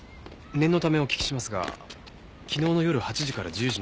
念のためお聞きしますが昨日の夜８時から１０時の間どこに？